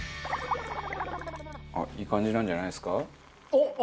いい感じなんじゃないですか？